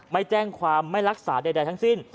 ไม่แจ้งความไม่รักษาใดทั้งสิ้น